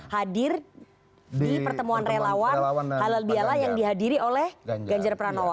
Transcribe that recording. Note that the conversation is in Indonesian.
hadir di pertemuan relawan halal biala yang dihadiri oleh ganjar pranowo